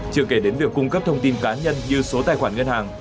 chưa kể đến việc cung cấp thông tin cá nhân như số tài khoản ngân hàng